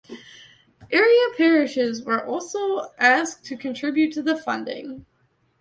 Area parishes were also asked to contribute to the funding.